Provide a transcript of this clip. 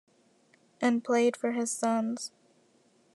and played for his sons.